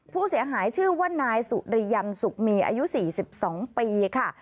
ผู้เสียหายชื่อว่านายสุดียันจ์สุกมีอายุสี่สิบสองปีค่ะ